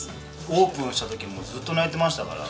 オープンした時もずっと泣いてましたから。